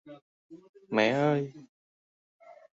Mẹ ơi